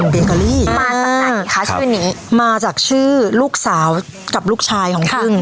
เบเกอรี่มาจากไหนคะชื่อนี้มาจากชื่อลูกสาวกับลูกชายของพึ่ง